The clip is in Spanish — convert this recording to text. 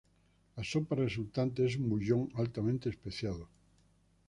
La sopa resultante es un bouillon altamente especiado.